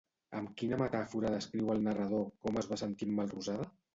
Amb quina metàfora descriu el narrador com es va sentir en Melrosada?